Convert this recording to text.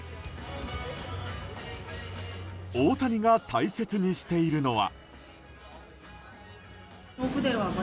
大谷が大切にしているのが。